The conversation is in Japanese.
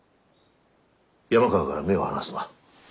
山川から目を離すな。